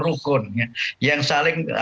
rukun yang saling